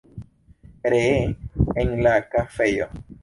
Ree en la kafejo.